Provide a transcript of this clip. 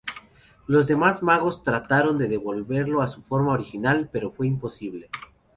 Los demás magos trataron de devolverlo a su forma original, pero fue imposible.